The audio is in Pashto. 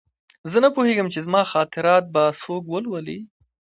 زه نه پوهېږم چې زما خاطرات به څوک ولولي